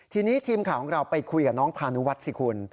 ทีนี้ทีมข่าวของเราไปคุยกับน้องพานุวัฒน์สิคุณ